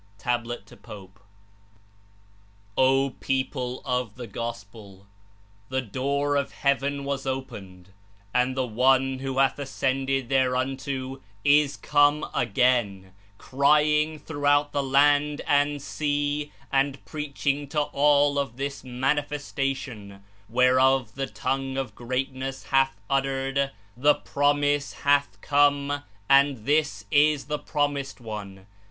(Tab. to Pope) "O people of the Gospel! The Door of Heaven was opened, and the One who hath ascended there unto is come again, crying throughout the land and sea, and preaching to all of this Manifestation, where of the Tongue of Greatness hath uttered, 'The Prom ise hath come, and this is the Promised One.'